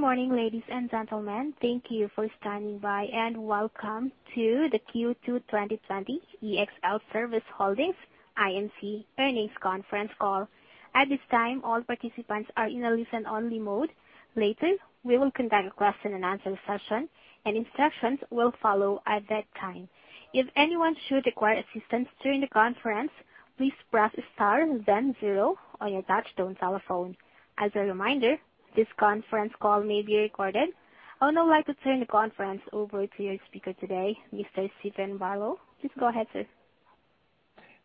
Good morning, ladies and gentlemen. Thank you for standing by, and welcome to the Q2 2020 ExlService Holdings, Inc. earnings conference call. At this time, all participants are in a listen-only mode. Later, we will conduct a question-and-answer session, and instructions will follow at that time. If anyone should require assistance during the conference, please press star then zero on your touch-tone telephone. As a reminder, this conference call may be recorded. I would now like to turn the conference over to your speaker today, Mr. Steven Barlow. Please go ahead, sir.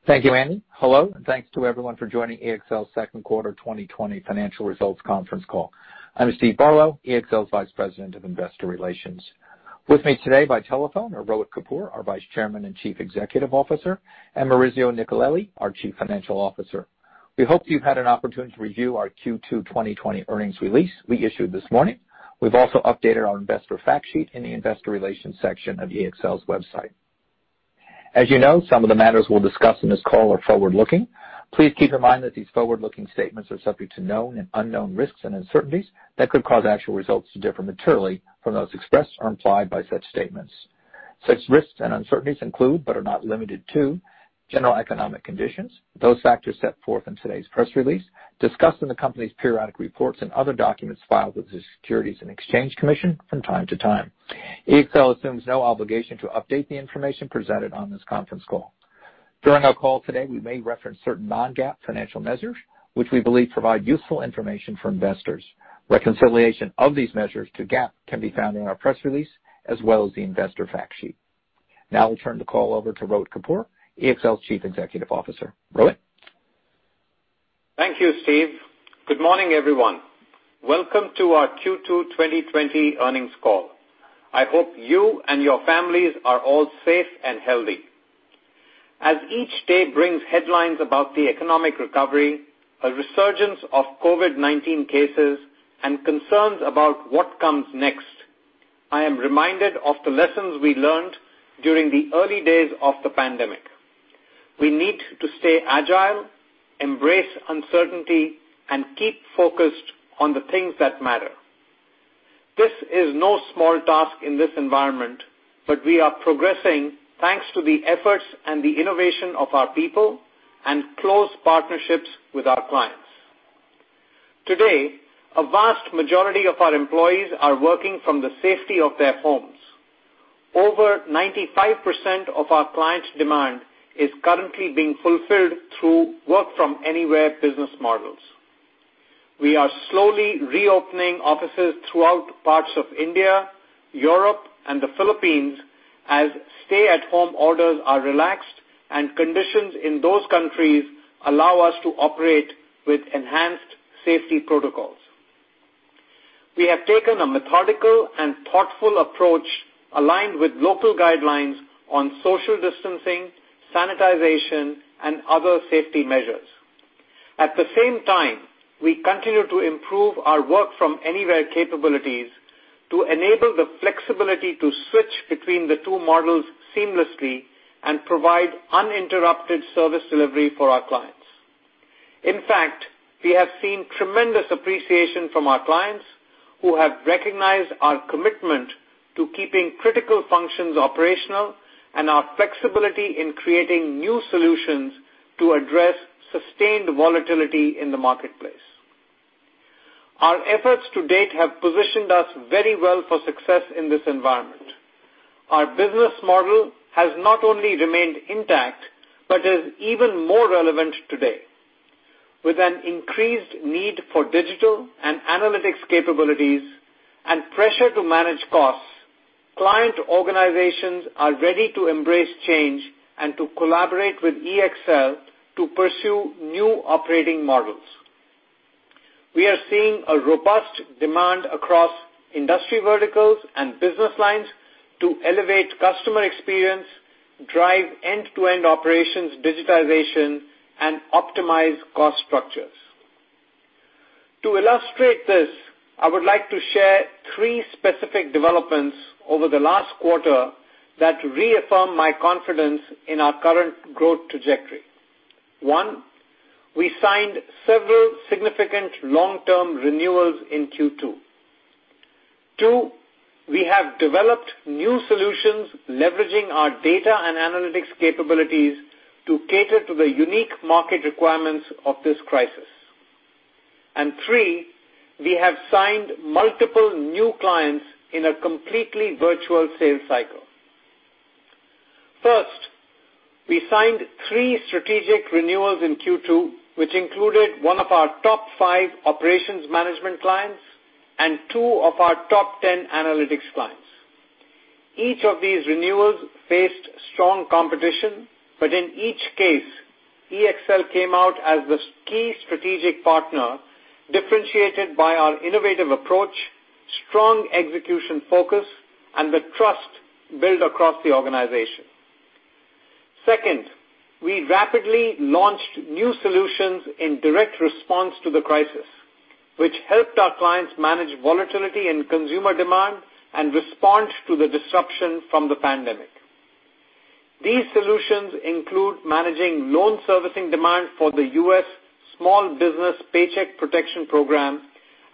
Thank you, Annie. Hello, thanks to everyone for joining EXL's second quarter 2020 financial results conference call. I'm Steve Barlow, EXL's Vice President of Investor Relations. With me today by telephone are Rohit Kapoor, our Vice Chairman and Chief Executive Officer, and Maurizio Nicolelli, our Chief Financial Officer. We hope you've had an opportunity to review our Q2 2020 earnings release we issued this morning. We've also updated our investor fact sheet in the investor relations section of EXL's website. As you know, some of the matters we'll discuss in this call are forward-looking. Please keep in mind that these forward-looking statements are subject to known and unknown risks and uncertainties that could cause actual results to differ materially from those expressed or implied by such statements. Such risks and uncertainties include, but are not limited to, general economic conditions, those factors set forth in today's press release, discussed in the company's periodic reports and other documents filed with the Securities and Exchange Commission from time to time. EXL assumes no obligation to update the information presented on this conference call. During our call today, we may reference certain non-GAAP financial measures which we believe provide useful information for investors. Reconciliation of these measures to GAAP can be found in our press release as well as the investor fact sheet. Now I'll turn the call over to Rohit Kapoor, EXL's Chief Executive Officer. Rohit? Thank you, Steve. Good morning, everyone. Welcome to our Q2 2020 earnings call. I hope you and your families are all safe and healthy. As each day brings headlines about the economic recovery, a resurgence of COVID-19 cases, and concerns about what comes next, I am reminded of the lessons we learned during the early days of the pandemic. We need to stay agile, embrace uncertainty, and keep focused on the things that matter. This is no small task in this environment, but we are progressing thanks to the efforts and the innovation of our people and close partnerships with our clients. Today, a vast majority of our employees are working from the safety of their homes. Over 95% of our clients' demand is currently being fulfilled through work-from-anywhere business models. We are slowly reopening offices throughout parts of India, Europe, and the Philippines as stay-at-home orders are relaxed and conditions in those countries allow us to operate with enhanced safety protocols. We have taken a methodical and thoughtful approach aligned with local guidelines on social distancing, sanitization, and other safety measures. At the same time, we continue to improve our work-from-anywhere capabilities to enable the flexibility to switch between the two models seamlessly and provide uninterrupted service delivery for our clients. In fact, we have seen tremendous appreciation from our clients, who have recognized our commitment to keeping critical functions operational and our flexibility in creating new solutions to address sustained volatility in the marketplace. Our efforts to date have positioned us very well for success in this environment. Our business model has not only remained intact but is even more relevant today. With an increased need for digital and analytics capabilities and pressure to manage costs, client organizations are ready to embrace change and to collaborate with EXL to pursue new operating models. We are seeing a robust demand across industry verticals and business lines to elevate customer experience, drive end-to-end operations digitization, and optimize cost structures. To illustrate this, I would like to share three specific developments over the last quarter that reaffirm my confidence in our current growth trajectory. One, we signed several significant long-term renewals in Q2. Two, we have developed new solutions leveraging our data and analytics capabilities to cater to the unique market requirements of this crisis. Three, we have signed multiple new clients in a completely virtual sales cycle. First, we signed three strategic renewals in Q2, which included one of our top five operations management clients and two of our top 10 analytics clients. Each of these renewals faced strong competition, but in each case, EXL came out as the key strategic partner, differentiated by our innovative approach, strong execution focus, and the trust built across the organization. Second, we rapidly launched new solutions in direct response to the crisis, which helped our clients manage volatility in consumer demand and respond to the disruption from the pandemic. These solutions include managing loan servicing demand for the U.S. Small Business Paycheck Protection Program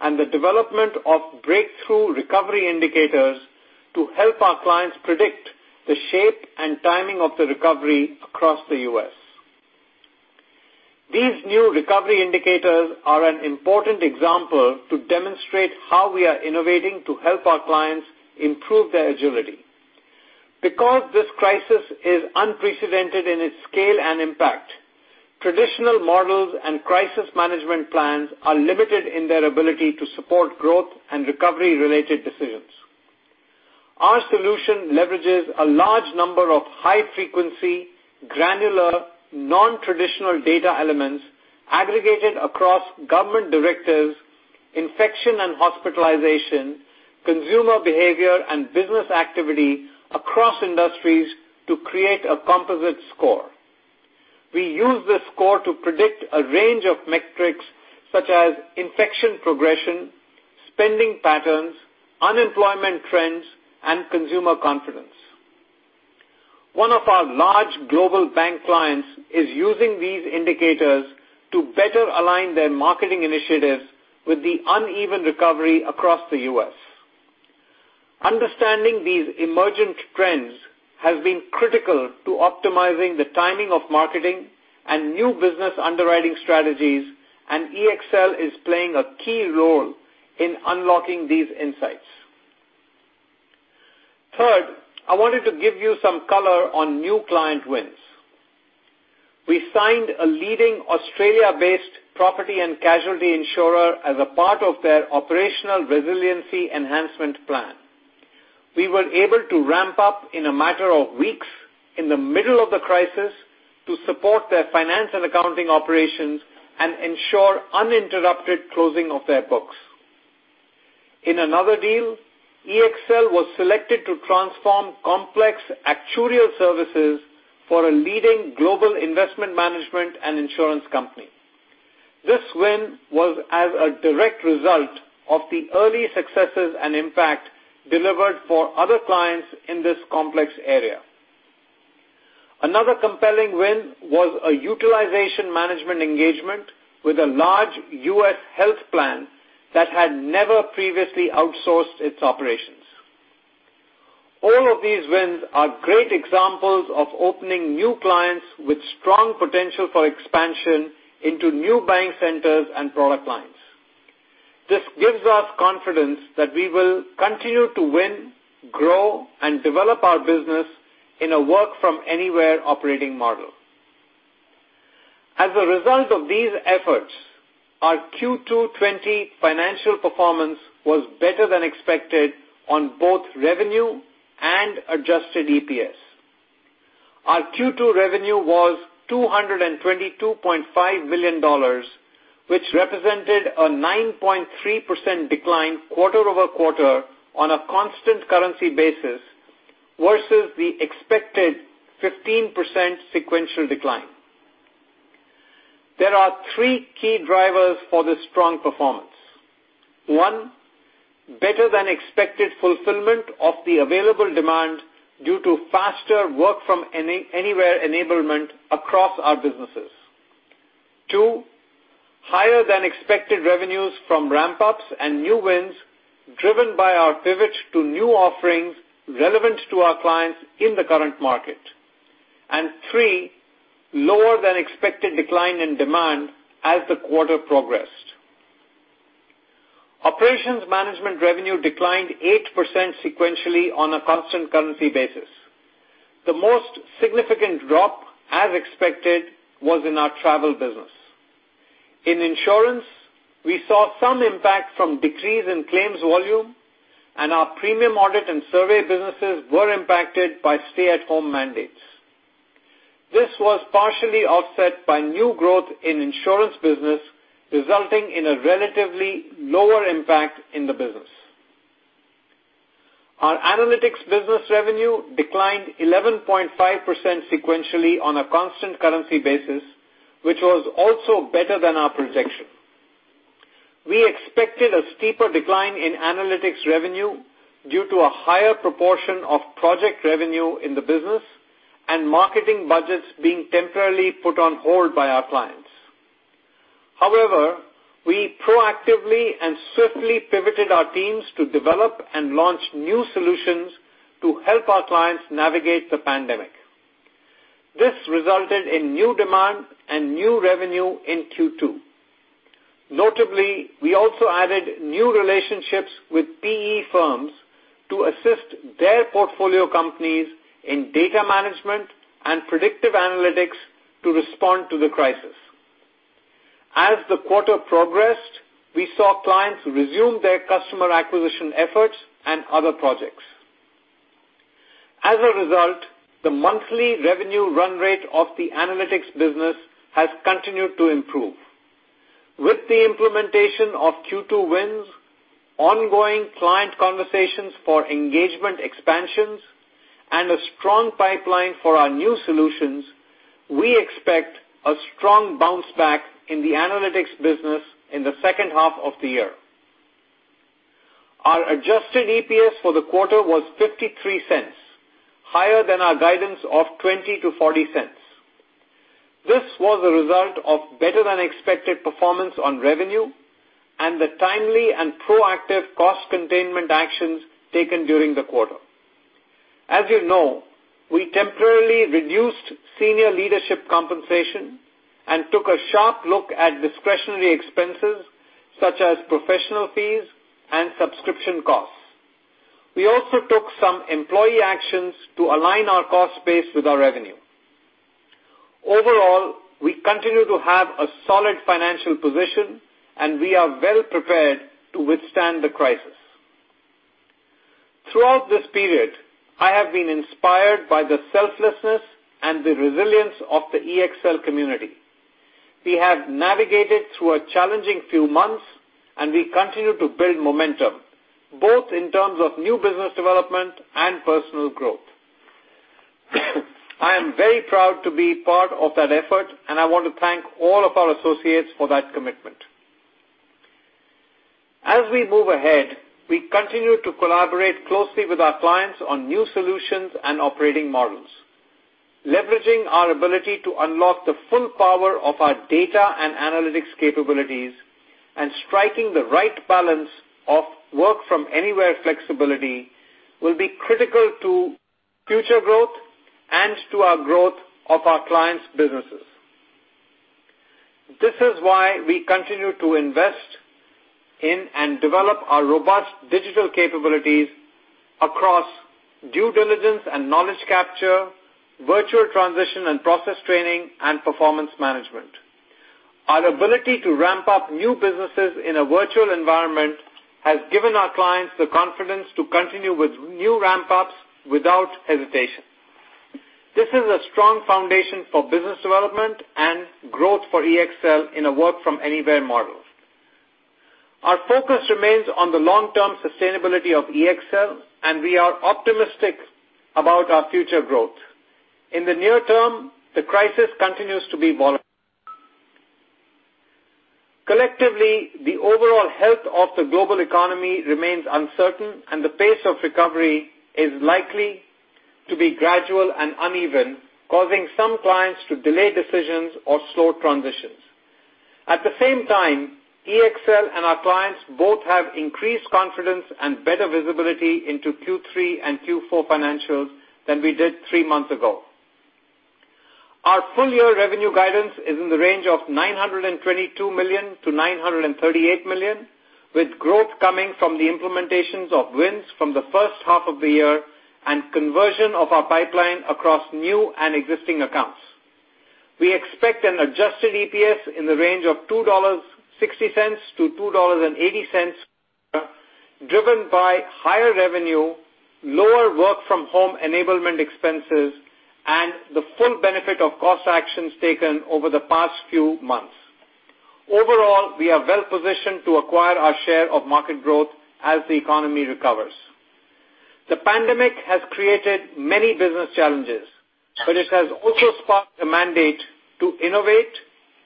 and the development of breakthrough recovery indicators to help our clients predict the shape and timing of the recovery across the U.S. These new recovery indicators are an important example to demonstrate how we are innovating to help our clients improve their agility. Because this crisis is unprecedented in its scale and impact, traditional models and crisis management plans are limited in their ability to support growth and recovery-related decisions. Our solution leverages a large number of high-frequency, granular, non-traditional data elements aggregated across government directives, infection and hospitalization, consumer behavior, and business activity across industries to create a composite score. We use this score to predict a range of metrics such as infection progression, spending patterns, unemployment trends, and consumer confidence. One of our large global bank clients is using these indicators to better align their marketing initiatives with the uneven recovery across the U.S. Understanding these emergent trends has been critical to optimizing the timing of marketing and new business underwriting strategies, and EXL is playing a key role in unlocking these insights. Third, I wanted to give you some color on new client wins. We signed a leading Australia-based property and casualty insurer as a part of their operational resiliency enhancement plan. We were able to ramp up in a matter of weeks in the middle of the crisis to support their finance and accounting operations and ensure uninterrupted closing of their books. In another deal, EXL was selected to transform complex actuarial services for a leading global investment management and insurance company. This win was as a direct result of the early successes and impact delivered for other clients in this complex area. Another compelling win was a utilization management engagement with a large U.S. health plan that had never previously outsourced its operations. All of these wins are great examples of opening new clients with strong potential for expansion into new buying centers and product lines. This gives us confidence that we will continue to win, grow, and develop our business in a work-from-anywhere operating model. As a result of these efforts, our Q2 2020 financial performance was better than expected on both revenue and adjusted EPS. Our Q2 revenue was $222.5 million, which represented a 9.3% decline quarter-over-quarter on a constant currency basis versus the expected 15% sequential decline. There are three key drivers for this strong performance. One, better than expected fulfillment of the available demand due to faster work-from-anywhere enablement across our businesses. Two, higher than expected revenues from ramp-ups and new wins driven by our pivots to new offerings relevant to our clients in the current market. Three, lower than expected decline in demand as the quarter progressed. Operations management revenue declined 8% sequentially on a constant currency basis. The most significant drop, as expected, was in our travel business. In insurance, we saw some impact from decrease in claims volume, and our premium audit and survey businesses were impacted by stay-at-home mandates. This was partially offset by new growth in insurance business, resulting in a relatively lower impact in the business. Our analytics business revenue declined 11.5% sequentially on a constant currency basis, which was also better than our projection. We expected a steeper decline in analytics revenue due to a higher proportion of project revenue in the business and marketing budgets being temporarily put on hold by our clients. We proactively and swiftly pivoted our teams to develop and launch new solutions to help our clients navigate the pandemic. This resulted in new demand and new revenue in Q2. Notably, we also added new relationships with PE firms to assist their portfolio companies in data management and predictive analytics to respond to the crisis. As the quarter progressed, we saw clients resume their customer acquisition efforts and other projects. As a result, the monthly revenue run rate of the analytics business has continued to improve. With the implementation of Q2 wins, ongoing client conversations for engagement expansions and a strong pipeline for our new solutions, we expect a strong bounce back in the analytics business in the second half of the year. Our Adjusted EPS for the quarter was $0.53, higher than our guidance of $0.20-$0.40. This was a result of better than expected performance on revenue and the timely and proactive cost containment actions taken during the quarter. As you know, we temporarily reduced senior leadership compensation and took a sharp look at discretionary expenses such as professional fees and subscription costs. We also took some employee actions to align our cost base with our revenue. Overall, we continue to have a solid financial position, and we are well prepared to withstand the crisis. Throughout this period, I have been inspired by the selflessness and the resilience of the EXL community. We have navigated through a challenging few months, and we continue to build momentum, both in terms of new business development and personal growth. I am very proud to be part of that effort, and I want to thank all of our associates for that commitment. As we move ahead, we continue to collaborate closely with our clients on new solutions and operating models. Leveraging our ability to unlock the full power of our data and analytics capabilities and striking the right balance of work-from-anywhere flexibility will be critical to future growth and to our growth of our clients' businesses. This is why we continue to invest in and develop our robust digital capabilities across due diligence and knowledge capture, virtual transition and process training, and performance management. Our ability to ramp up new businesses in a virtual environment has given our clients the confidence to continue with new ramp-ups without hesitation. This is a strong foundation for business development and growth for EXL in a work-from-anywhere model. Our focus remains on the long-term sustainability of EXL, and we are optimistic about our future growth. In the near term, the crisis continues to be vol-. Collectively, the overall health of the global economy remains uncertain, and the pace of recovery is likely to be gradual and uneven, causing some clients to delay decisions or slow transitions. At the same time, EXL and our clients both have increased confidence and better visibility into Q3 and Q4 financials than we did three months ago. Our full year revenue guidance is in the range of $922 million-$938 million, with growth coming from the implementations of wins from the first half of the year and conversion of our pipeline across new and existing accounts. We expect an Adjusted EPS in the range of $2.60-$2.80, driven by higher revenue, lower work-from-home enablement expenses, and the full benefit of cost actions taken over the past few months. Overall, we are well-positioned to acquire our share of market growth as the economy recovers. The pandemic has created many business challenges. It has also sparked a mandate to innovate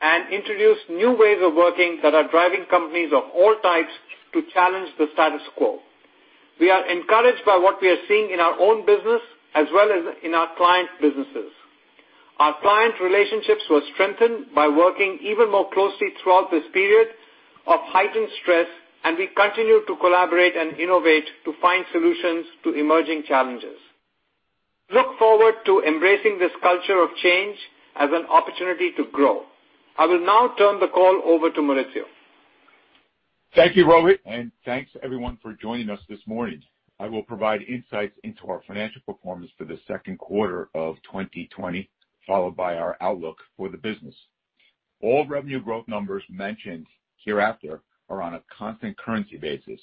and introduce new ways of working that are driving companies of all types to challenge the status quo. We are encouraged by what we are seeing in our own business as well as in our clients' businesses. Our client relationships were strengthened by working even more closely throughout this period of heightened stress. We continue to collaborate and innovate to find solutions to emerging challenges. We look forward to embracing this culture of change as an opportunity to grow. I will now turn the call over to Maurizio. Thank you, Rohit, and thanks everyone for joining us this morning. I will provide insights into our financial performance for the second quarter of 2020, followed by our outlook for the business. All revenue growth numbers mentioned hereafter are on a constant currency basis.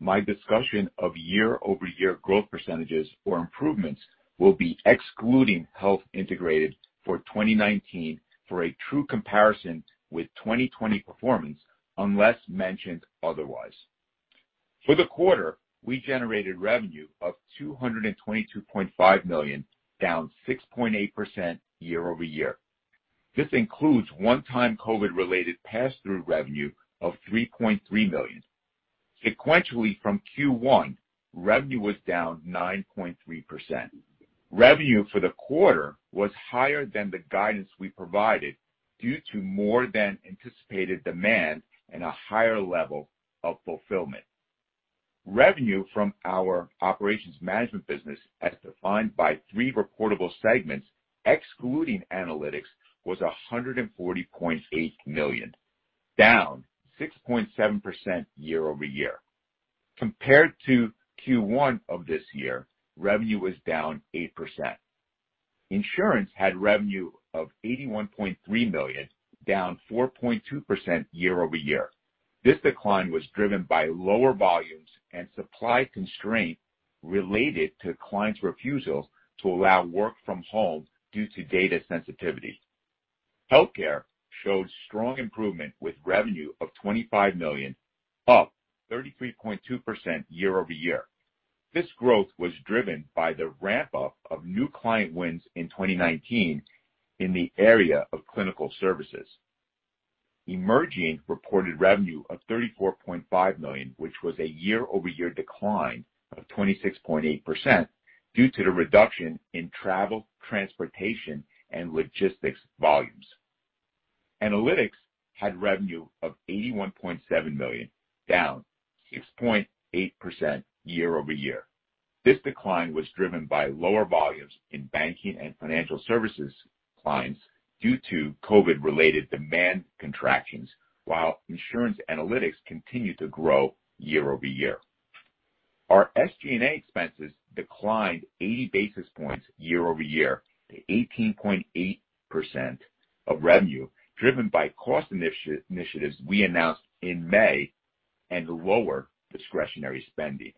My discussion of year-over-year growth percentages or improvements will be excluding Health Integrated for 2019 for a true comparison with 2020 performance, unless mentioned otherwise. For the quarter, we generated revenue of $222.5 million, down 6.8% year-over-year. This includes one-time COVID-related pass-through revenue of $3.3 million. Sequentially from Q1, revenue was down 9.3%. Revenue for the quarter was higher than the guidance we provided due to more than anticipated demand and a higher level of fulfillment. Revenue from our operations management business, as defined by three reportable segments, excluding analytics, was $140.8 million, down 6.7% year-over-year. Compared to Q1 of this year, revenue was down 8%. Insurance had revenue of $81.3 million, down 4.2% year-over-year. This decline was driven by lower volumes and supply constraint related to clients' refusals to allow work from home due to data sensitivity. Healthcare showed strong improvement with revenue of $25 million, up 33.2% year-over-year. This growth was driven by the ramp-up of new client wins in 2019 in the area of clinical services. Emerging reported revenue of $34.5 million, which was a year-over-year decline of 26.8% due to the reduction in travel, transportation, and logistics volumes. Analytics had revenue of $81.7 million, down 6.8% year-over-year. This decline was driven by lower volumes in banking and financial services clients due to COVID-related demand contractions, while insurance analytics continued to grow year-over-year. Our SG&A expenses declined 80 basis points year-over-year to 18.8% of revenue, driven by cost initiatives we announced in May, and lower discretionary spending.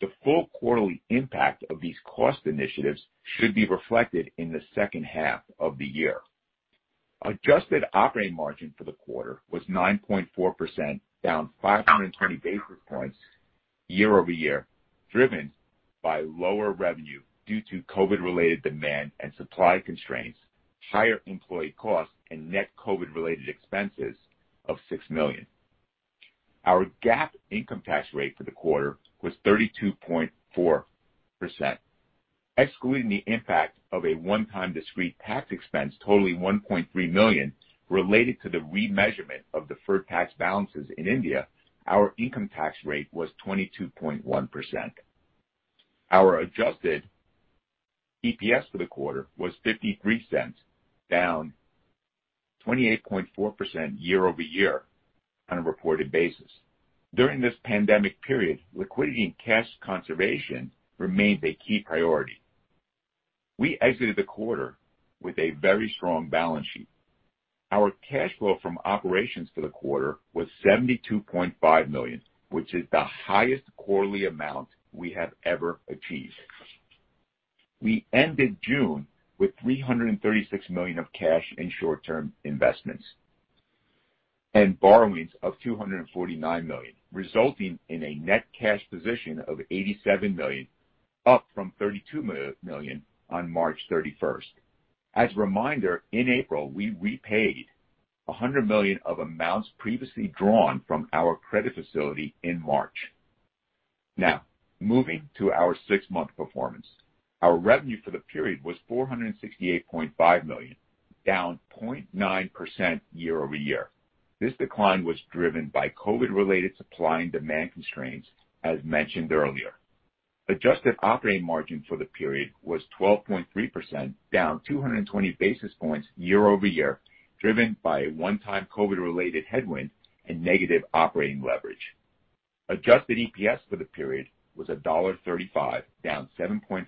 The full quarterly impact of these cost initiatives should be reflected in the second half of the year. Adjusted operating margin for the quarter was 9.4%, down 520 basis points year-over-year, driven by lower revenue due to COVID-related demand and supply constraints, higher employee costs, and net COVID-related expenses of $6 million. Our GAAP income tax rate for the quarter was 32.4%. Excluding the impact of a one-time discrete tax expense totaling $1.3 million related to the remeasurement of deferred tax balances in India, our income tax rate was 22.1%. Our Adjusted EPS for the quarter was $0.53, down 28.4% year-over-year on a reported basis. During this pandemic period, liquidity and cash conservation remained a key priority. We exited the quarter with a very strong balance sheet. Our cash flow from operations for the quarter was $72.5 million, which is the highest quarterly amount we have ever achieved. We ended June with $336 million of cash and short-term investments and borrowings of $249 million, resulting in a net cash position of $87 million, up from $32 million on March 31st. As a reminder, in April, we repaid $100 million of amounts previously drawn from our credit facility in March. Moving to our six-month performance. Our revenue for the period was $468.5 million, down 0.9% year-over-year. This decline was driven by COVID-related supply and demand constraints, as mentioned earlier. Adjusted operating margin for the period was 12.3%, down 220 basis points year-over-year, driven by a one-time COVID-related headwind and negative operating leverage. Adjusted EPS for the period was $1.35, down 7.5%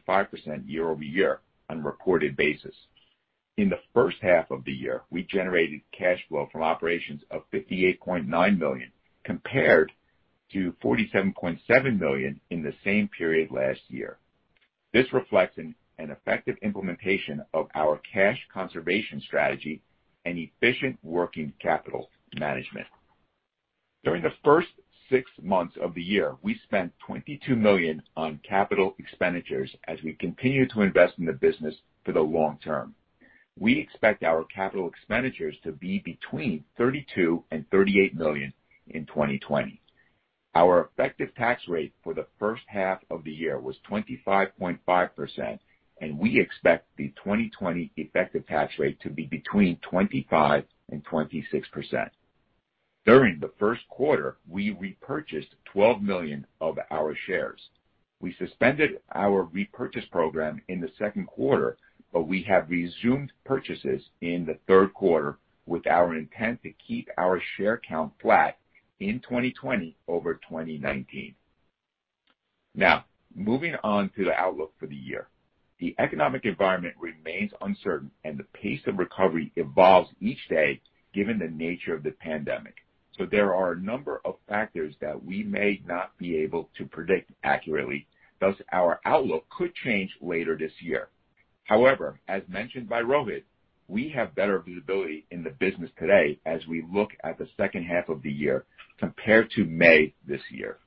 year-over-year on a reported basis. In the first half of the year, we generated cash flow from operations of $58.9 million compared to $47.7 million in the same period last year. This reflects an effective implementation of our cash conservation strategy and efficient working capital management. During the first six months of the year, we spent $22 million on capital expenditures as we continue to invest in the business for the long term. We expect our capital expenditures to be between $32 million and $38 million in 2020. Our effective tax rate for the first half of the year was 25.5%, and we expect the 2020 effective tax rate to be between 25% and 26%. During the first quarter, we repurchased $12 million of our shares. We suspended our repurchase program in the second quarter, but we have resumed purchases in the third quarter with our intent to keep our share count flat in 2020 over 2019. Moving on to the outlook for the year. The economic environment remains uncertain, and the pace of recovery evolves each day, given the nature of the pandemic. There are a number of factors that we may not be able to predict accurately, thus our outlook could change later this year. However, as mentioned by Rohit, we have better visibility in the business today as we look at the second half of the year compared to May this year.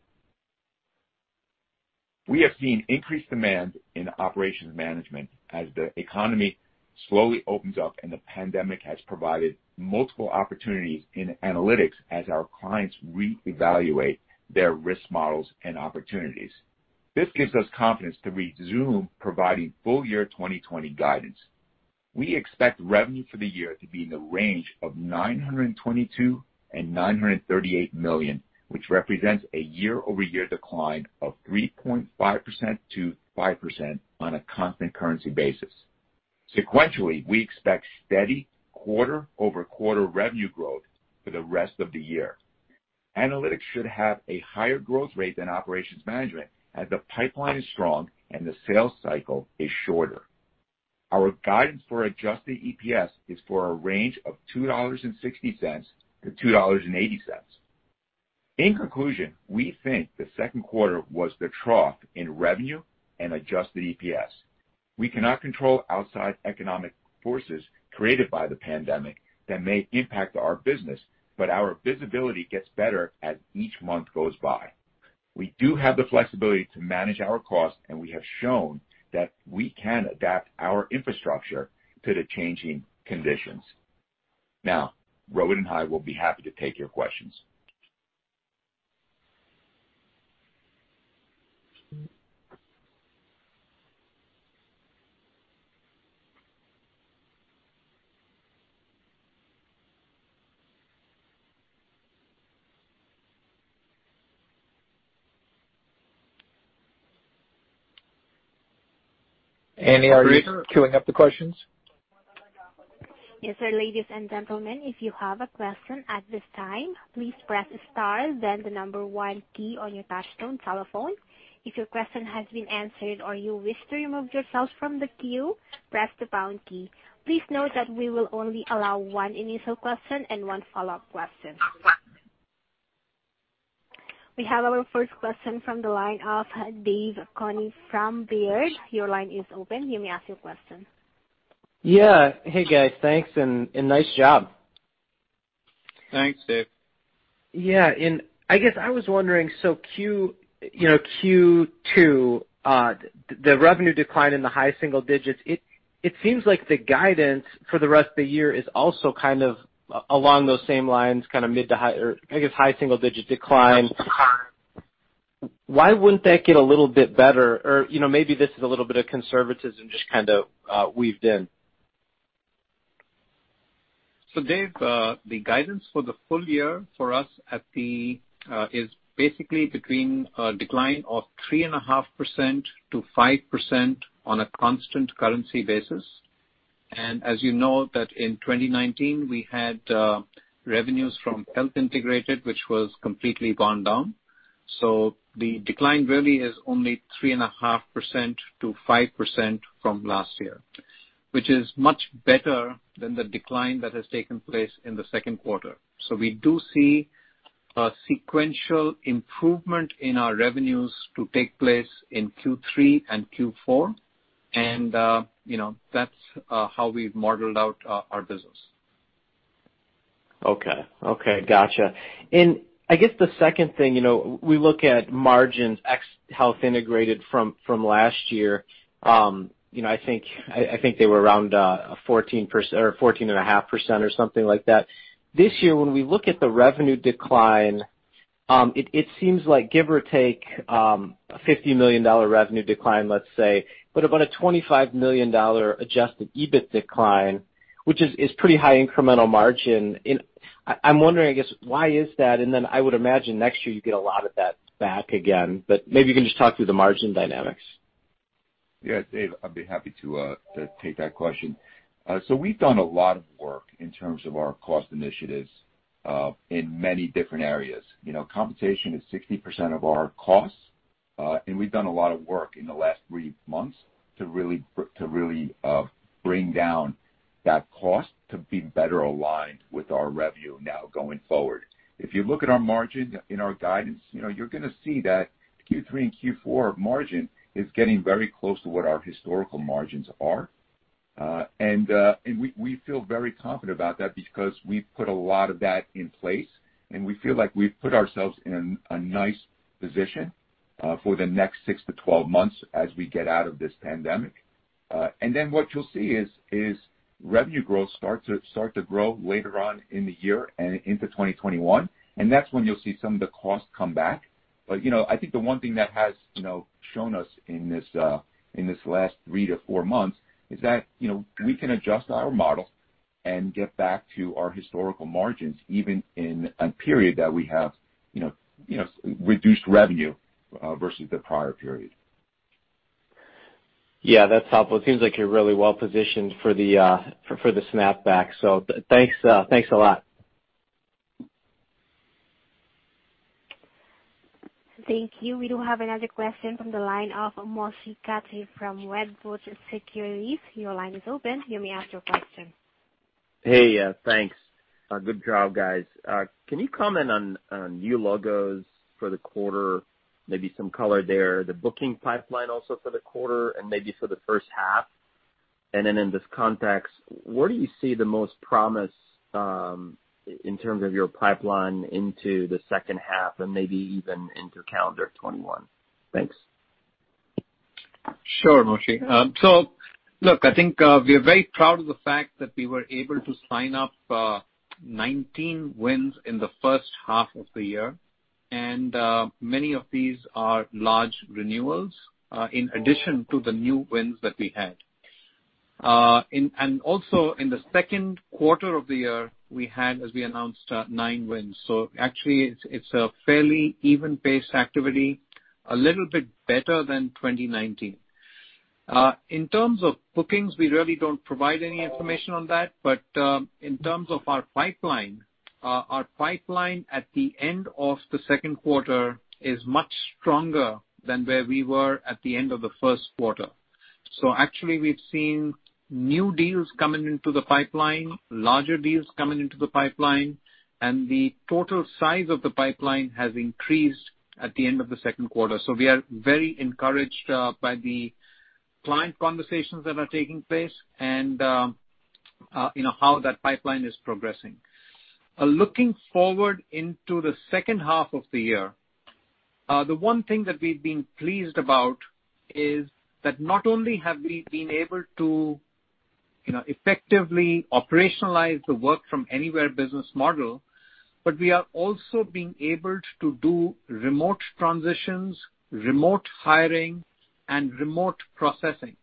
We have seen increased demand in Operations Management as the economy slowly opens up, and the pandemic has provided multiple opportunities in analytics as our clients reevaluate their risk models and opportunities. This gives us confidence to resume providing full year 2020 guidance. We expect revenue for the year to be in the range of $922 million-$938 million, which represents a year-over-year decline of 3.5%-5% on a constant currency basis. Sequentially, we expect steady quarter-over-quarter revenue growth for the rest of the year. Analytics should have a higher growth rate than Operations Management, as the pipeline is strong and the sales cycle is shorter. Our guidance for Adjusted EPS is for a range of $2.60-$2.80. In conclusion, we think the second quarter was the trough in revenue and Adjusted EPS. We cannot control outside economic forces created by the pandemic that may impact our business, but our visibility gets better as each month goes by. We do have the flexibility to manage our costs, and we have shown that we can adapt our infrastructure to the changing conditions. Rohit and I will be happy to take your questions. Annie, are you queuing up the questions? Yes, sir. Ladies and gentlemen, if you have a question at this time, please press star then the number one key on your touchtone telephone. If your question has been answered or you wish to remove yourself from the queue, press the pound key. Please note that we will only allow one initial question and one follow-up question. We have our first question from the line of Dave Koning from Baird. Your line is open. You may ask your question. Yeah. Hey, guys. Thanks, and nice job. Thanks, Dave. I guess I was wondering, Q2, the revenue decline in the high single digits, it seems like the guidance for the rest of the year is also along those same lines, mid to high, or I guess high single-digit decline. Why wouldn't that get a little bit better? Maybe this is a little bit of conservatism just weaved in. Dave, the guidance for the full year for us is basically between a decline of 3.5%-5% on a constant currency basis. As you know that in 2019, we had revenues from Health Integrated, which was completely gone down. The decline really is only 3.5%-5% from last year, which is much better than the decline that has taken place in the second quarter. We do see a sequential improvement in our revenues to take place in Q3 and Q4, and that's how we've modeled out our business. Okay. Got you. I guess the second thing, we look at margins ex Health Integrated from last year. I think they were around 14.5% or something like that. This year, when we look at the revenue decline, it seems like, give or take a $50 million revenue decline, let's say, but about a $25 million Adjusted EBIT decline, which is pretty high incremental margin. I'm wondering, I guess, why is that? Then I would imagine next year you get a lot of that back again, but maybe you can just talk through the margin dynamics. Yeah, Dave, I'd be happy to take that question. We've done a lot of work in terms of our cost initiatives, in many different areas. Compensation is 60% of our costs, and we've done a lot of work in the last three months to really bring down that cost to be better aligned with our revenue now going forward. If you look at our margin in our guidance, you're going to see that Q3 and Q4 margin is getting very close to what our historical margins are. We feel very confident about that because we've put a lot of that in place, and we feel like we've put ourselves in a nice position for the next six to 12 months as we get out of this pandemic. What you'll see is revenue growth start to grow later on in the year and into 2021, and that's when you'll see some of the costs come back. I think the one thing that has shown us in this last three to four months is that we can adjust our model and get back to our historical margins, even in a period that we have reduced revenue versus the prior period. Yeah, that's helpful. It seems like you're really well-positioned for the snapback. Thanks a lot. Thank you. We do have another question from the line of Moshe Katri from Wedbush Securities. Your line is open. You may ask your question. Hey. Thanks. Good job, guys. Can you comment on new logos for the quarter, maybe some color there, the booking pipeline also for the quarter and maybe for the first half? In this context, where do you see the most promise in terms of your pipeline into the second half and maybe even into calendar 2021? Thanks. Sure, Moshe. Look, I think we are very proud of the fact that we were able to sign up 19 wins in the first half of the year. Many of these are large renewals, in addition to the new wins that we had. Also in the second quarter of the year, we had, as we announced, nine wins. Actually, it's a fairly even-paced activity, a little bit better than 2019. In terms of bookings, we really don't provide any information on that. In terms of our pipeline, our pipeline at the end of the second quarter is much stronger than where we were at the end of the first quarter. Actually, we've seen new deals coming into the pipeline, larger deals coming into the pipeline, and the total size of the pipeline has increased at the end of the second quarter. We are very encouraged by the client conversations that are taking place and how that pipeline is progressing. Looking forward into the second half of the year, the one thing that we've been pleased about is that not only have we been able to effectively operationalize the work-from-anywhere business model, but we are also being able to do remote transitions, remote hiring, and remote processing.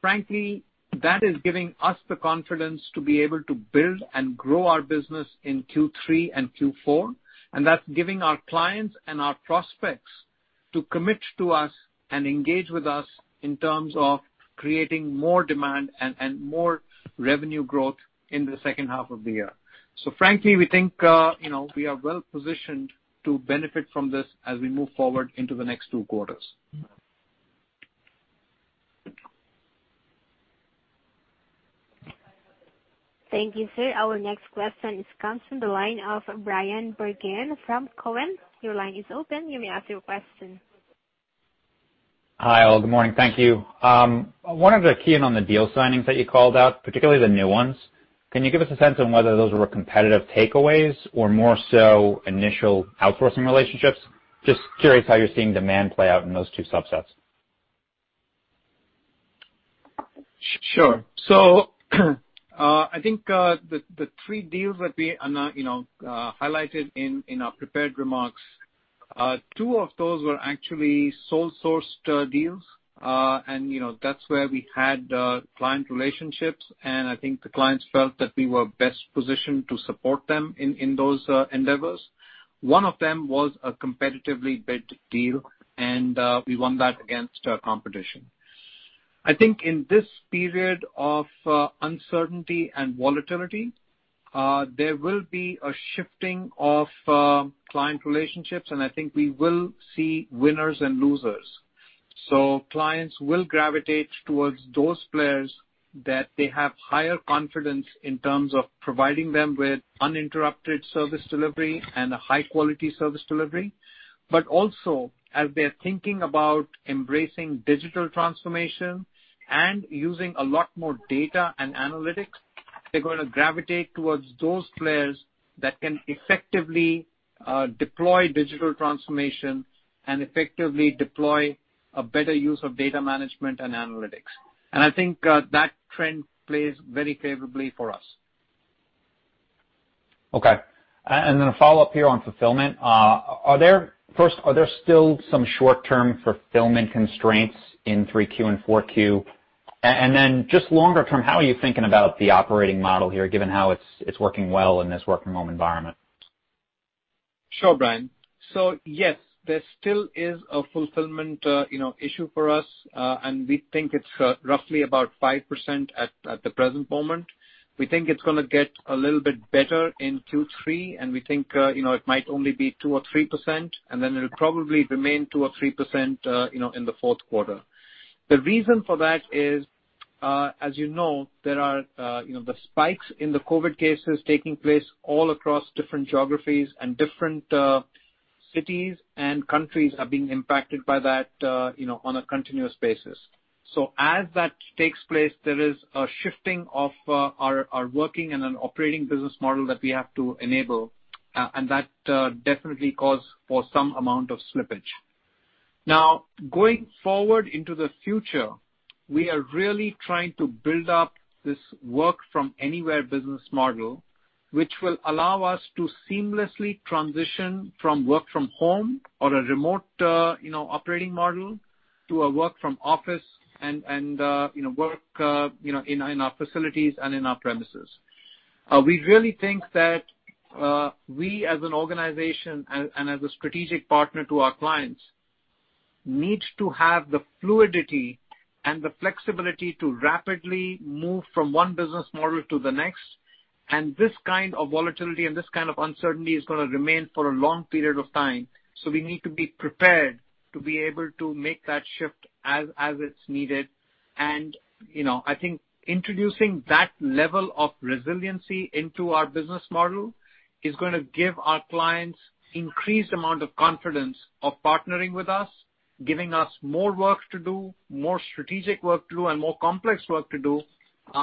Frankly, that is giving us the confidence to be able to build and grow our business in Q3 and Q4, and that's giving our clients and our prospects to commit to us and engage with us in terms of creating more demand and more revenue growth in the second half of the year. Frankly, we think we are well positioned to benefit from this as we move forward into the next two quarters. Thank you, sir. Our next question comes from the line of Bryan Bergin from Cowen. Your line is open. You may ask your question. Hi, all. Good morning. Thank you. I wanted to key in on the deal signings that you called out, particularly the new ones. Can you give us a sense on whether those were competitive takeaways or more so initial outsourcing relationships? Just curious how you're seeing demand play out in those two subsets. Sure. I think, the three deals that we highlighted in our prepared remarks, two of those were actually sole sourced deals. That's where we had client relationships, and I think the clients felt that we were best positioned to support them in those endeavors. One of them was a competitively bid deal, and we won that against our competition. I think in this period of uncertainty and volatility, there will be a shifting of client relationships, and I think we will see winners and losers. Clients will gravitate towards those players that they have higher confidence in terms of providing them with uninterrupted service delivery and a high-quality service delivery. Also, as they're thinking about embracing digital transformation and using a lot more data and analytics, they're going to gravitate towards those players that can effectively deploy digital transformation and effectively deploy a better use of data management and analytics. I think that trend plays very favorably for us. Okay. A follow-up here on fulfillment. First, are there still some short-term fulfillment constraints in Q3 and Q4? Just longer term, how are you thinking about the operating model here, given how it's working well in this work from home environment? Sure, Bryan. Yes, there still is a fulfillment issue for us, and we think it's roughly about 5% at the present moment. We think it's going to get a little bit better in Q3, and we think it might only be 2% or 3%, and then it'll probably remain 2% or 3% in the fourth quarter. The reason for that is, as you know, there are the spikes in the COVID cases taking place all across different geographies, and different cities and countries are being impacted by that on a continuous basis. As that takes place, there is a shifting of our working and an operating business model that we have to enable, and that definitely calls for some amount of slippage. Now, going forward into the future, we are really trying to build up this work-from-anywhere business model, which will allow us to seamlessly transition from work from home or a remote operating model to a work from office and work in our facilities and in our premises. We really think that we, as an organization and as a strategic partner to our clients, need to have the fluidity and the flexibility to rapidly move from one business model to the next. This kind of volatility and this kind of uncertainty is going to remain for a long period of time. We need to be prepared to be able to make that shift as it's needed. I think introducing that level of resiliency into our business model is going to give our clients increased amount of confidence of partnering with us, giving us more work to do, more strategic work to do, and more complex work to do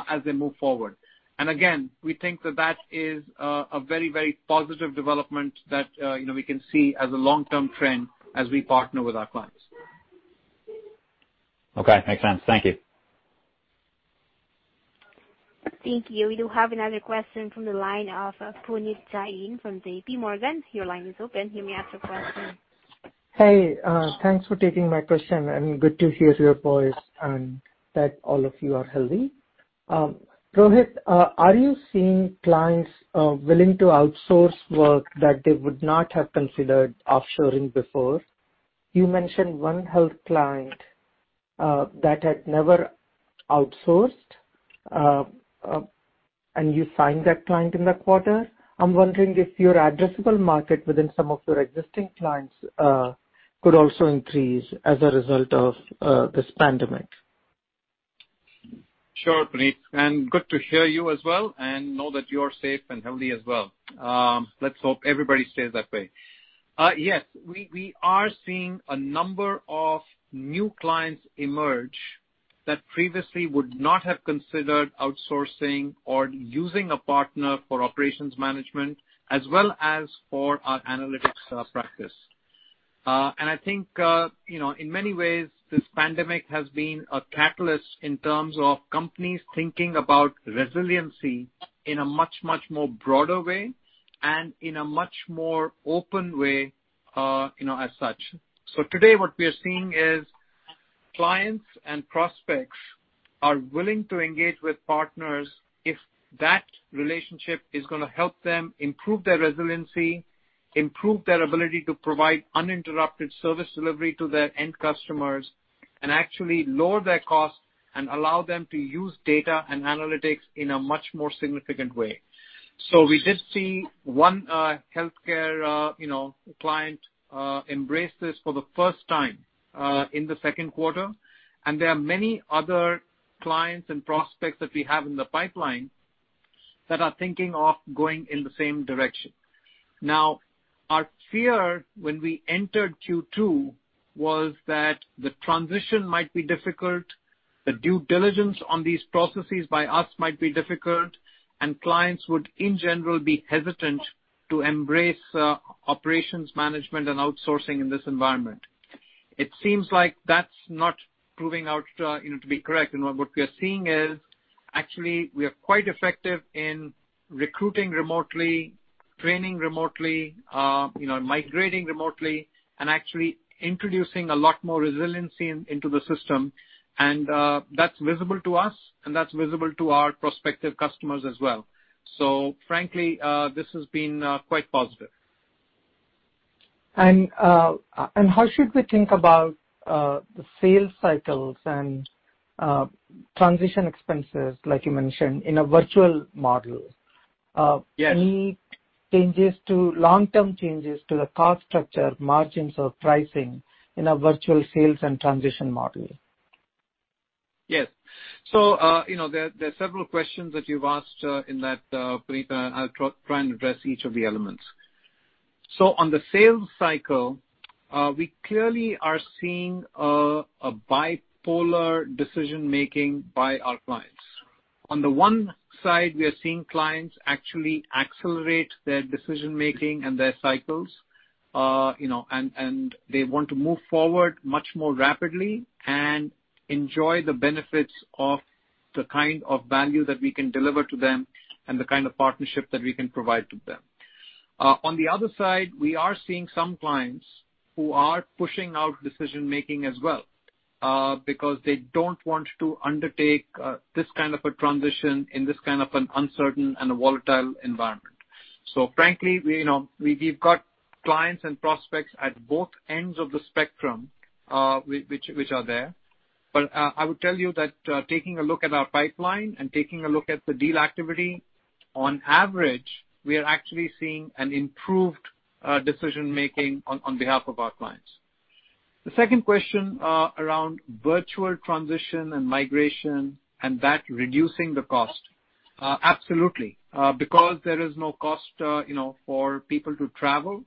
as they move forward. Again, we think that that is a very positive development that we can see as a long-term trend as we partner with our clients. Okay. Makes sense. Thank you. Thank you. We do have another question from the line of Puneet Jain from JPMorgan. Your line is open. You may ask your question. Hey, thanks for taking my question, and good to hear your voice and that all of you are healthy. Rohit, are you seeing clients willing to outsource work that they would not have considered offshoring before? You mentioned one health client that had never outsourced, and you signed that client in that quarter. I'm wondering if your addressable market within some of your existing clients could also increase as a result of this pandemic. Sure, Puneet, and good to hear you as well and know that you're safe and healthy as well. Let's hope everybody stays that way. Yes. We are seeing a number of new clients emerge that previously would not have considered outsourcing or using a partner for operations management as well as for our analytics practice. I think, in many ways, this pandemic has been a catalyst in terms of companies thinking about resiliency in a much more broader way and in a much more open way, as such. Today, what we are seeing is clients and prospects are willing to engage with partners if that relationship is going to help them improve their resiliency, improve their ability to provide uninterrupted service delivery to their end customers, and actually lower their costs and allow them to use data and analytics in a much more significant way. We did see one healthcare client embrace this for the first time, in the second quarter. There are many other clients and prospects that we have in the pipeline that are thinking of going in the same direction. Our fear when we entered Q2 was that the transition might be difficult, the due diligence on these processes by us might be difficult, and clients would, in general, be hesitant to embrace operations management and outsourcing in this environment. It seems like that's not proving out to be correct. What we are seeing is, actually, we are quite effective in recruiting remotely, training remotely, migrating remotely, and actually introducing a lot more resiliency into the system. That's visible to us, and that's visible to our prospective customers as well. Frankly, this has been quite positive. How should we think about the sales cycles and transition expenses, like you mentioned, in a virtual model? Yes. Any long-term changes to the cost structure, margins or pricing in a virtual sales and transition model? Yes. There are several questions that you've asked in that, Puneet. I'll try and address each of the elements. On the sales cycle, we clearly are seeing a bipolar decision-making by our clients. On the one side, we are seeing clients actually accelerate their decision-making and their cycles, and they want to move forward much more rapidly and enjoy the benefits of the kind of value that we can deliver to them and the kind of partnership that we can provide to them. On the other side, we are seeing some clients who are pushing out decision-making as well, because they don't want to undertake this kind of a transition in this kind of an uncertain and a volatile environment. Frankly, we've got clients and prospects at both ends of the spectrum, which are there. I would tell you that taking a look at our pipeline and taking a look at the deal activity, on average, we are actually seeing an improved decision-making on behalf of our clients. The second question, around virtual transition and migration and that reducing the cost. Absolutely. There is no cost for people to travel.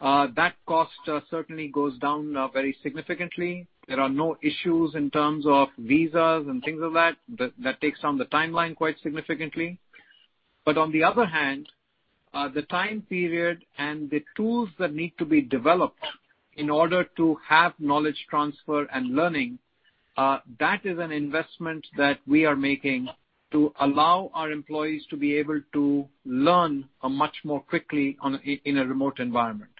That cost certainly goes down very significantly. There are no issues in terms of visas and things like that. That takes down the timeline quite significantly. On the other hand, the time period and the tools that need to be developed in order to have knowledge transfer and learning, that is an investment that we are making to allow our employees to be able to learn much more quickly in a remote environment.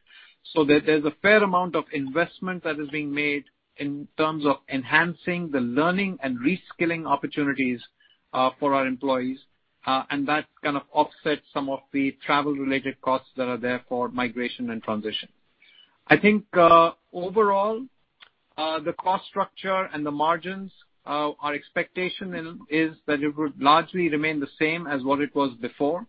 There's a fair amount of investment that is being made in terms of enhancing the learning and re-skilling opportunities for our employees, and that kind of offsets some of the travel related costs that are there for migration and transition. Overall, the cost structure and the margins, our expectation is that it would largely remain the same as what it was before.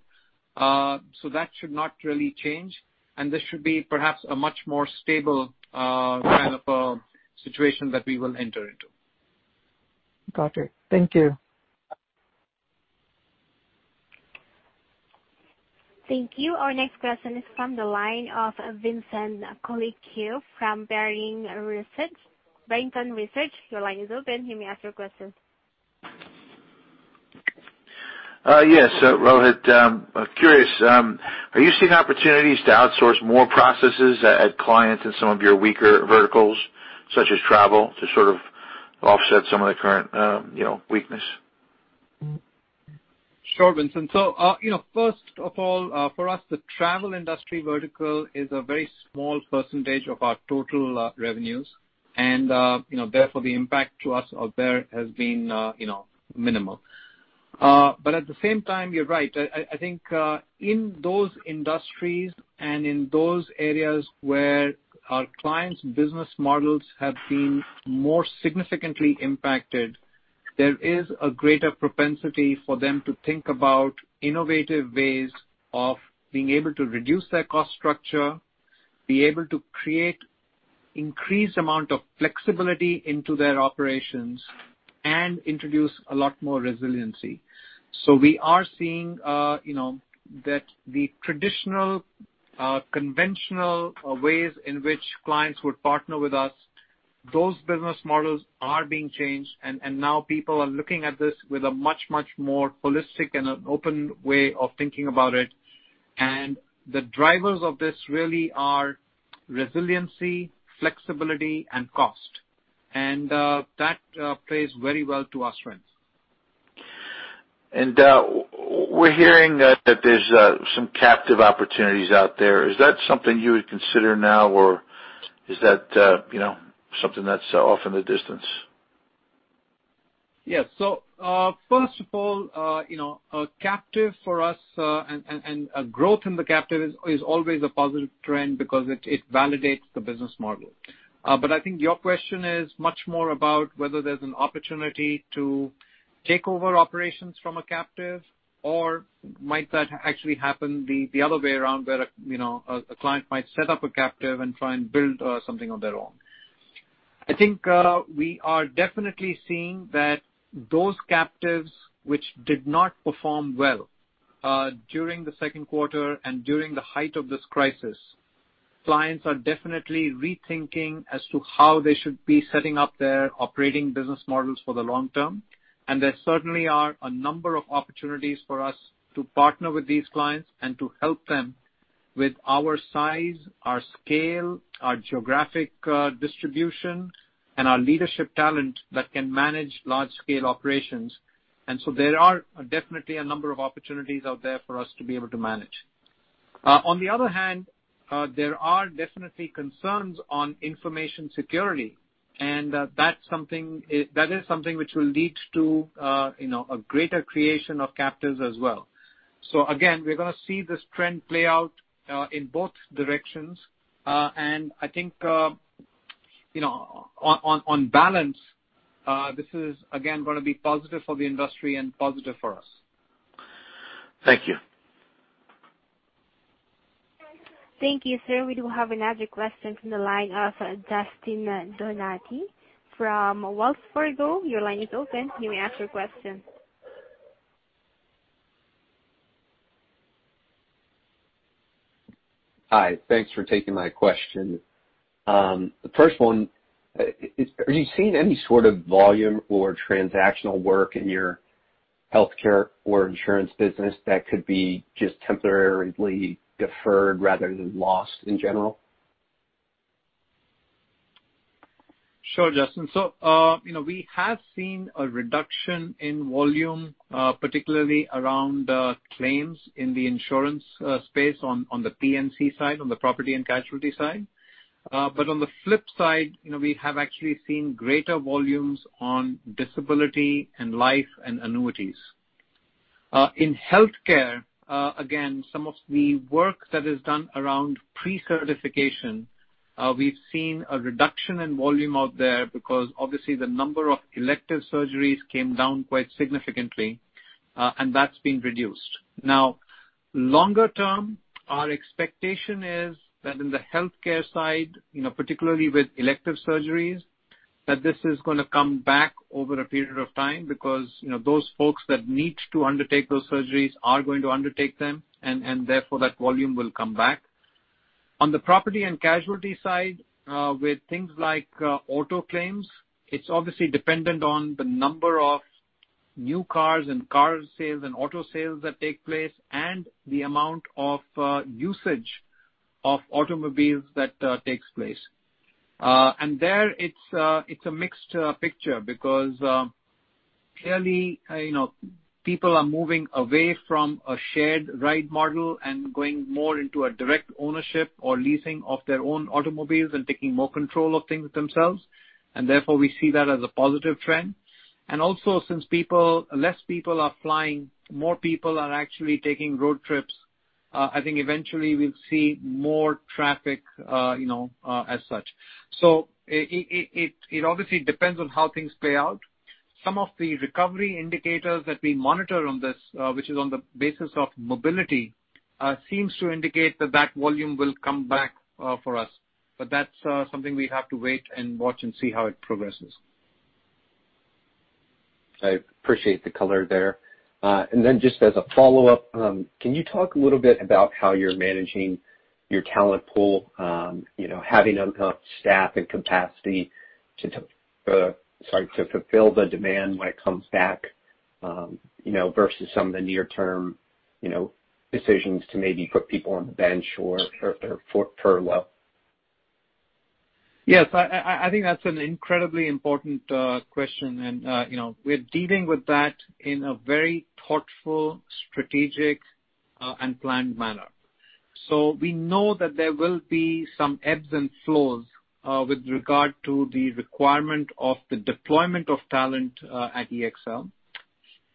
That should not really change, and this should be perhaps a much more stable kind of a situation that we will enter into. Got it. Thank you. Thank you. Our next question is from the line of Vincent Colicchio from Barrington Research. Your line is open. You may ask your question. Yes. Rohit, I'm curious, are you seeing opportunities to outsource more processes at clients in some of your weaker verticals, such as travel, to sort of offset some of the current weakness? Sure, Vincent. First of all, for us, the travel industry vertical is a very small percentage of our total revenues. Therefore, the impact to us out there has been minimal. At the same time, you're right. I think in those industries and in those areas where our clients' business models have been more significantly impacted, there is a greater propensity for them to think about innovative ways of being able to reduce their cost structure, be able to create increased amount of flexibility into their operations, and introduce a lot more resiliency. We are seeing that the traditional, conventional ways in which clients would partner with us, those business models are being changed. Now people are looking at this with a much more holistic and an open way of thinking about it. The drivers of this really are resiliency, flexibility, and cost. That plays very well to our strengths. We're hearing that there's some captive opportunities out there. Is that something you would consider now, or is that something that's off in the distance? Yes. First of all, captive for us and growth in the captive is always a positive trend because it validates the business model. I think your question is much more about whether there's an opportunity to take over operations from a captive, or might that actually happen the other way around, where a client might set up a captive and try and build something on their own. I think we are definitely seeing that those captives which did not perform well during the second quarter and during the height of this crisis, clients are definitely rethinking as to how they should be setting up their operating business models for the long term. There certainly are a number of opportunities for us to partner with these clients and to help them with our size, our scale, our geographic distribution, and our leadership talent that can manage large-scale operations. There are definitely a number of opportunities out there for us to be able to manage. On the other hand, there are definitely concerns on information security, and that is something which will lead to a greater creation of captives as well. Again, we're going to see this trend play out in both directions. I think, on balance, this is again, going to be positive for the industry and positive for us. Thank you. Thank you, sir. We do have another question from the line of Justin Donati from Wells Fargo. Your line is open. You may ask your question. Hi. Thanks for taking my question. The first one, are you seeing any sort of volume or transactional work in your healthcare or insurance business that could be just temporarily deferred rather than lost in general? Sure, Justin. We have seen a reduction in volume, particularly around claims in the insurance space on the P&C side, on the property and casualty side. On the flip side, we have actually seen greater volumes on disability in life and annuities. In healthcare, again, some of the work that is done around pre-certification, we've seen a reduction in volume out there because obviously the number of elective surgeries came down quite significantly, and that's been reduced. Longer term, our expectation is that in the healthcare side, particularly with elective surgeries, that this is going to come back over a period of time because those folks that need to undertake those surgeries are going to undertake them, and therefore that volume will come back. On the property and casualty side, with things like auto claims, it's obviously dependent on the number of new cars and car sales and auto sales that take place, and the amount of usage of automobiles that takes place. There, it's a mixed picture because clearly, people are moving away from a shared ride model and going more into a direct ownership or leasing of their own automobiles and taking more control of things themselves. Therefore, we see that as a positive trend. Also, since less people are flying, more people are actually taking road trips. I think eventually we'll see more traffic as such. It obviously depends on how things play out. Some of the recovery indicators that we monitor on this, which is on the basis of mobility, seems to indicate that volume will come back for us. That's something we have to wait and watch and see how it progresses. I appreciate the color there. Just as a follow-up, can you talk a little bit about how you're managing your talent pool, having enough staff and capacity to fulfill the demand when it comes back, versus some of the near-term decisions to maybe put people on the bench or furlough? Yes, I think that's an incredibly important question. We're dealing with that in a very thoughtful, strategic, and planned manner. We know that there will be some ebbs and flows with regard to the requirement of the deployment of talent at EXL.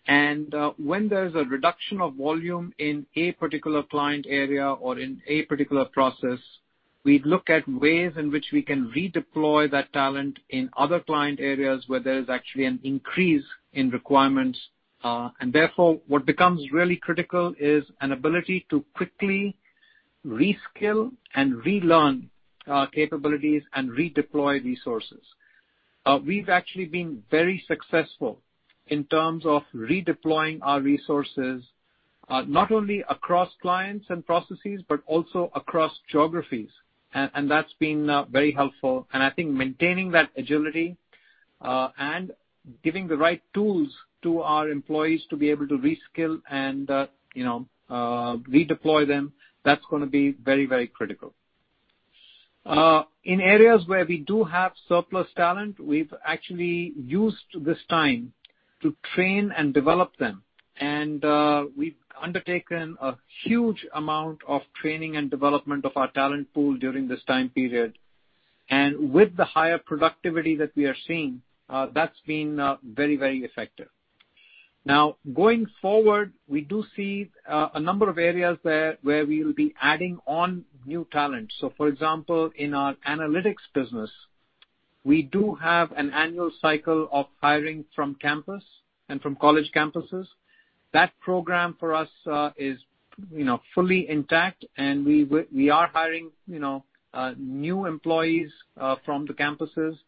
When there's a reduction of volume in a particular client area or in a particular process, we look at ways in which we can redeploy that talent in other client areas where there is actually an increase in requirements. Therefore, what becomes really critical is an ability to quickly reskill and relearn capabilities and redeploy resources. We've actually been very successful in terms of redeploying our resources, not only across clients and processes, but also across geographies. That's been very helpful. I think maintaining that agility, and giving the right tools to our employees to be able to reskill and redeploy them, that's going to be very critical. In areas where we do have surplus talent, we've actually used this time to train and develop them. We've undertaken a huge amount of training and development of our talent pool during this time period. With the higher productivity that we are seeing, that's been very effective. Now, going forward, we do see a number of areas where we will be adding on new talent. For example, in our analytics business, we do have an annual cycle of hiring from campus and from college campuses. That program for us is fully intact, and we are hiring new employees from the campuses,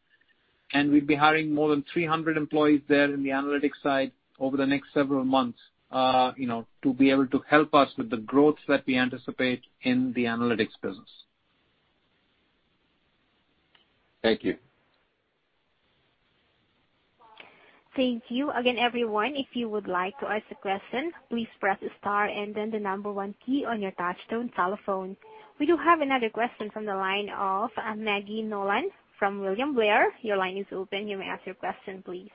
and we'll be hiring more than 300 employees there in the analytics side over the next several months to be able to help us with the growth that we anticipate in the analytics business. Thank you. Thank you. Again, everyone, if you would like to ask a question, please press star and then the number one key on your touchtone telephone. We do have another question from the line of Maggie Nolan from William Blair. Your line is open. You may ask your question, please.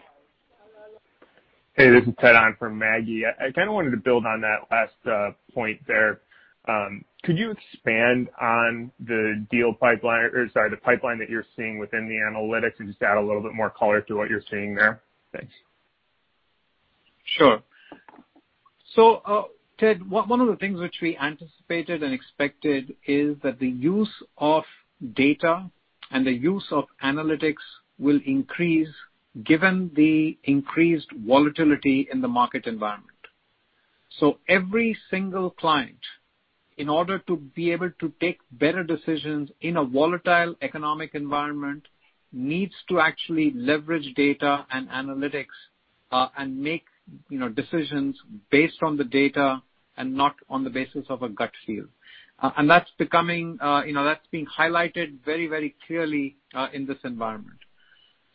Hey, this is Ted on for Maggie. I kind of wanted to build on that last point there. Could you expand on the deal pipeline, or sorry, the pipeline that you're seeing within the analytics and just add a little bit more color to what you're seeing there? Thanks. Sure. Ted, one of the things which we anticipated and expected is that the use of data and the use of analytics will increase given the increased volatility in the market environment. Every single client, in order to be able to take better decisions in a volatile economic environment, needs to actually leverage data and analytics, and make decisions based on the data and not on the basis of a gut feel. That's being highlighted very clearly in this environment.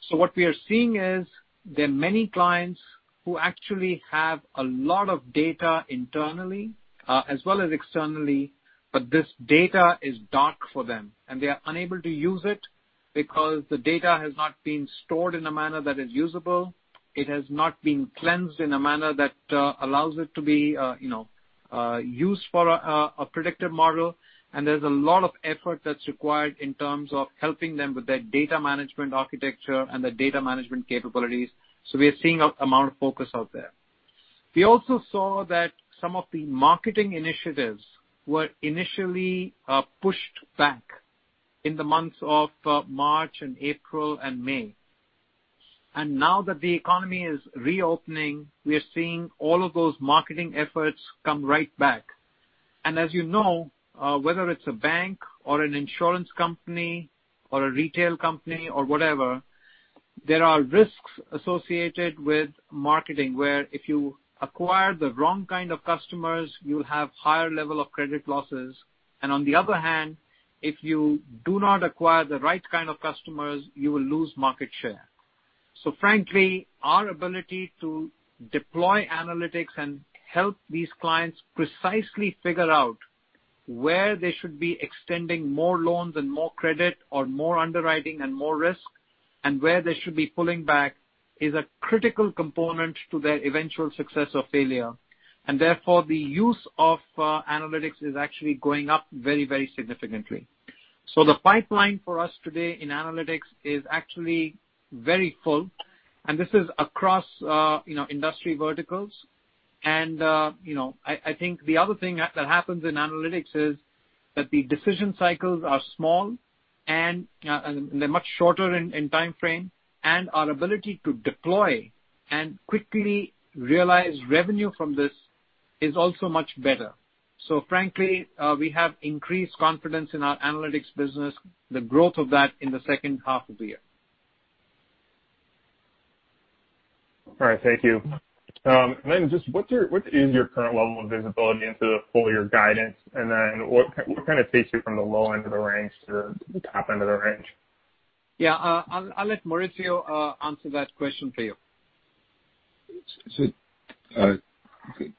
What we are seeing is there are many clients who actually have a lot of data internally as well as externally, but this data is dark for them, and they are unable to use it because the data has not been stored in a manner that is usable. It has not been cleansed in a manner that allows it to be used for a predictive model. There's a lot of effort that's required in terms of helping them with their data management architecture and their data management capabilities. We are seeing an amount of focus out there. We also saw that some of the marketing initiatives were initially pushed back in the months of March and April and May. Now that the economy is reopening, we are seeing all of those marketing efforts come right back. As you know, whether it's a bank or an insurance company or a retail company or whatever, there are risks associated with marketing, where if you acquire the wrong kind of customers, you'll have higher level of credit losses. On the other hand, if you do not acquire the right kind of customers, you will lose market share. Frankly, our ability to deploy analytics and help these clients precisely figure out where they should be extending more loans and more credit or more underwriting and more risk, and where they should be pulling back, is a critical component to their eventual success or failure. Therefore, the use of analytics is actually going up very significantly. The pipeline for us today in analytics is actually very full, and this is across industry verticals. I think the other thing that happens in analytics is that the decision cycles are small, and they're much shorter in timeframe, and our ability to deploy and quickly realize revenue from this is also much better. Frankly, we have increased confidence in our analytics business, the growth of that in the second half of the year. All right. Thank you. What is your current level of visibility into the full year guidance? What takes you from the low end of the range to the top end of the range? Yeah. I'll let Maurizio answer that question for you.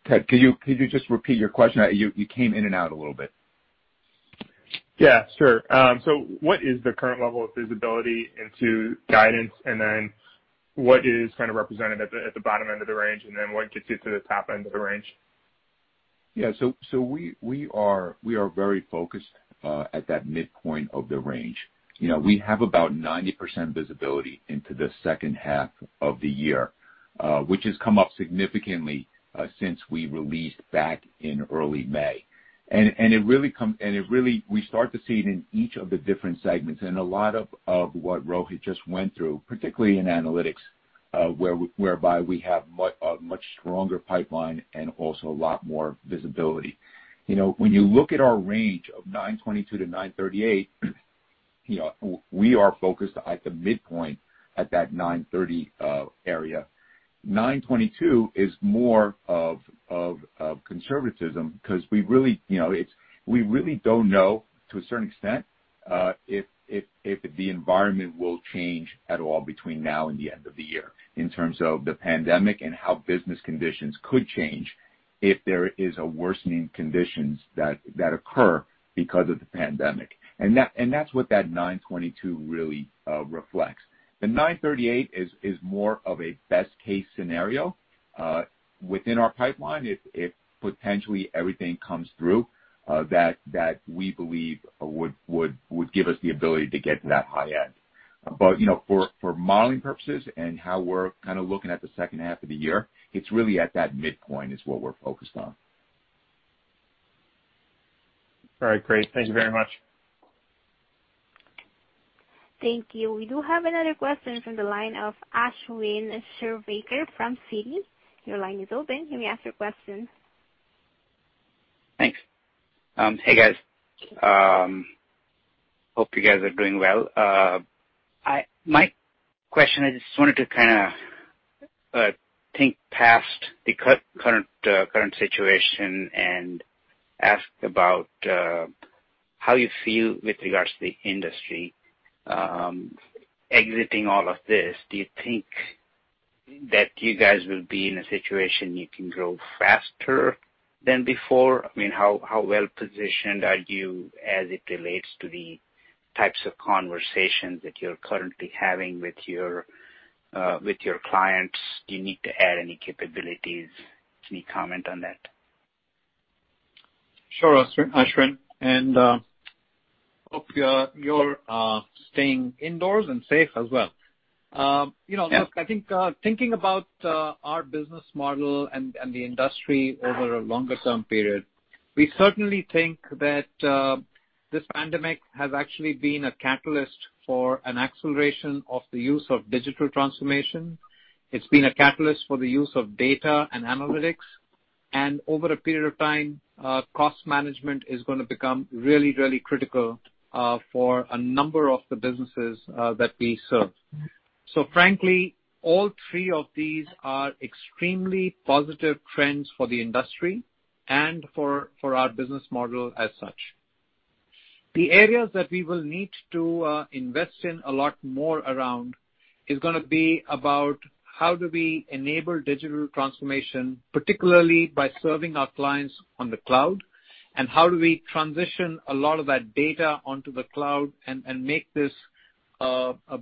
Ted, could you just repeat your question? You came in and out a little bit. Yeah, sure. What is the current level of visibility into guidance, and then what is represented at the bottom end of the range, and then what gets you to the top end of the range? Yeah. We are very focused at that midpoint of the range. We have about 90% visibility into the second half of the year, which has come up significantly since we released back in early May. We start to see it in each of the different segments and a lot of what Rohit just went through, particularly in analytics, whereby we have a much stronger pipeline and also a lot more visibility. When you look at our range of $922-$938, we are focused at the midpoint, at that $930 area. $922 is more of conservatism because we really don't know, to a certain extent, if the environment will change at all between now and the end of the year in terms of the pandemic and how business conditions could change if there is a worsening conditions that occur because of the pandemic. That's what that $922 really reflects. The $938 is more of a best case scenario within our pipeline if potentially everything comes through that we believe would give us the ability to get to that high end. For modeling purposes and how we're kind of looking at the second half of the year, it's really at that midpoint is what we're focused on. All right, great. Thank you very much. Thank you. We do have another question from the line of Ashwin Shirvaikar from Citi. Your line is open. You may ask your question. Thanks. Hey, guys. Hope you guys are doing well. My question, I just wanted to think past the current situation and ask about how you feel with regards to the industry exiting all of this. Do you think that you guys will be in a situation you can grow faster than before? How well-positioned are you as it relates to the types of conversations that you're currently having with your clients? Do you need to add any capabilities? Any comment on that? Sure, Ashwin. Hope you're staying indoors and safe as well. Yes. Look, I think thinking about our business model and the industry over a longer term period, we certainly think that this pandemic has actually been a catalyst for an acceleration of the use of digital transformation. It's been a catalyst for the use of data and analytics. Over a period of time, cost management is going to become really, really critical for a number of the businesses that we serve. Frankly, all three of these are extremely positive trends for the industry and for our business model as such. The areas that we will need to invest in a lot more around is going to be about how do we enable digital transformation, particularly by serving our clients on the cloud, and how do we transition a lot of that data onto the cloud and make this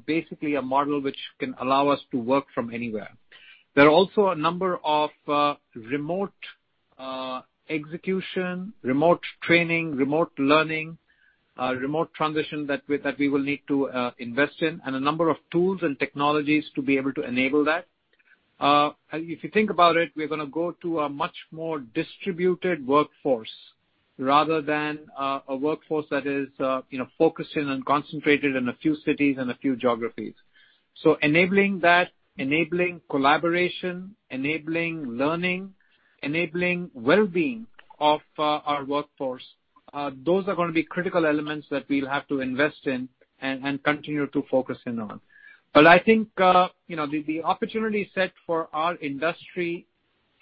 basically a model which can allow us to work-from-anywhere. There are also a number of remote execution, remote training, remote learning, remote transition that we will need to invest in, and a number of tools and technologies to be able to enable that. If you think about it, we're going to go to a much more distributed workforce rather than a workforce that is focused in and concentrated in a few cities and a few geographies. Enabling that, enabling collaboration, enabling learning, enabling well-being of our workforce, those are going to be critical elements that we'll have to invest in and continue to focus in on. I think the opportunity set for our industry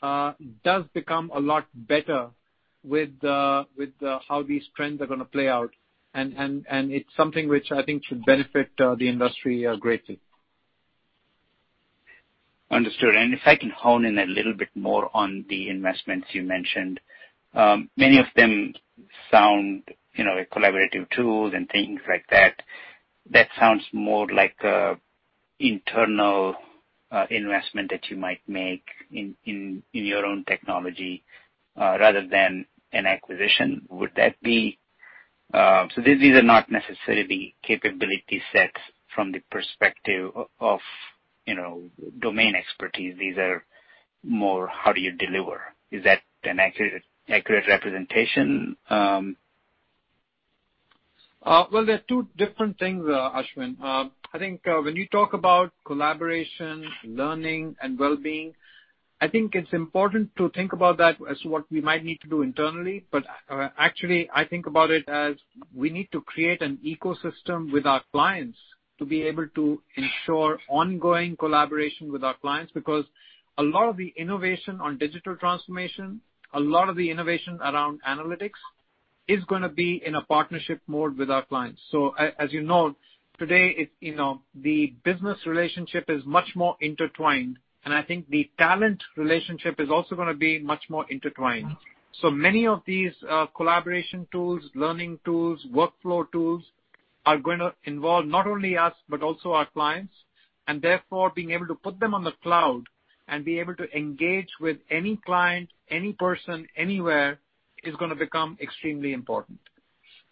does become a lot better with how these trends are going to play out. It's something which I think should benefit the industry greatly. Understood. If I can hone in a little bit more on the investments you mentioned. Many of them sound like collaborative tools and things like that. That sounds more like internal investment that you might make in your own technology rather than an acquisition. These are not necessarily capability sets from the perspective of domain expertise. These are more how do you deliver? Is that an accurate representation? They're two different things, Ashwin. I think when you talk about collaboration, learning, and wellbeing, I think it's important to think about that as what we might need to do internally, but actually, I think about it as we need to create an ecosystem with our clients to be able to ensure ongoing collaboration with our clients. A lot of the innovation on digital transformation, a lot of the innovation around analytics is going to be in a partnership mode with our clients. As you know, today, the business relationship is much more intertwined, and I think the talent relationship is also going to be much more intertwined. Many of these collaboration tools, learning tools, workflow tools are going to involve not only us but also our clients, and therefore being able to put them on the cloud and be able to engage with any client, any person, anywhere, is going to become extremely important.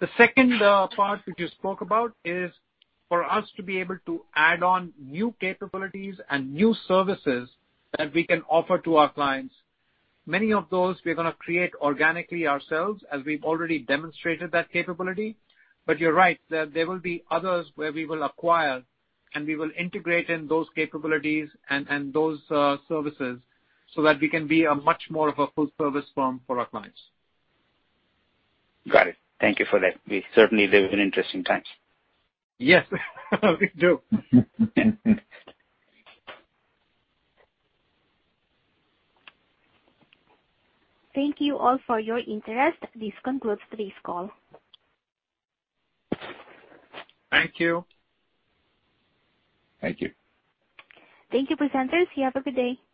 The second part which you spoke about is for us to be able to add on new capabilities and new services that we can offer to our clients. Many of those we're going to create organically ourselves, as we've already demonstrated that capability. You're right. There will be others where we will acquire, and we will integrate in those capabilities and those services so that we can be a much more of a full service firm for our clients. Got it. Thank you for that. We certainly live in interesting times. Yes, we do. Thank you all for your interest. This concludes today's call. Thank you. Thank you. Thank you, presenters. You have a good day.